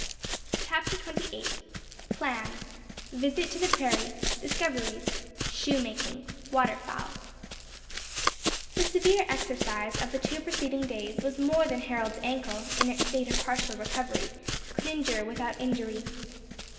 CHAPTER XXVIII PLANS VISIT TO THE PRAIRIE DISCOVERIES SHOE MAKING WATERFOWL The severe exercise of the two preceding days was more than Harold's ankle, in its state of partial recovery, could endure without injury.